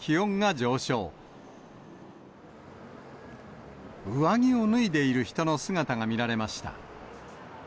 上着を脱いでいる人の姿が見られました。